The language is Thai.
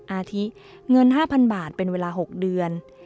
อาทิเงิน๕๐๐๐บาทเป็นเวลา๖เดือน